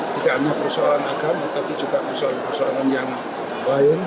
tidak hanya persoalan agama tapi juga persoalan persoalan yang lain